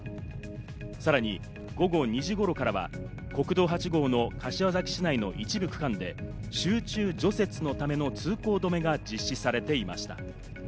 さらに午後２時頃からは国道８号の柏崎市内の一部区間で集中除雪のための通行止めが実施されていました。